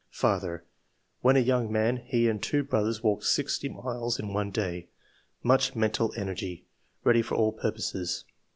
] '^Father — When a young man he and two . brothers walked sixty miles in one day. Much mental energy; ready for all purposes.